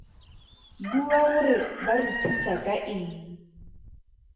Bua gore ba re thusa ka eng.